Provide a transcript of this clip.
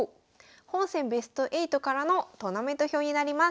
本戦ベスト８からのトーナメント表になります。